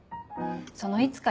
その「いつか」